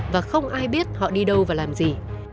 và không ai biết họ đi đâu và làm gì